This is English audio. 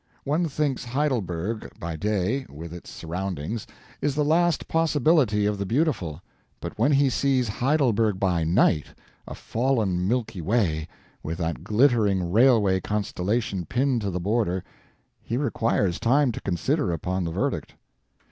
One thinks Heidelberg by day with its surroundings is the last possibility of the beautiful; but when he sees Heidelberg by night, a fallen Milky Way, with that glittering railway constellation pinned to the border, he requires time to consider upon the verdict.